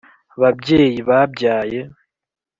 Babyeyi babyaye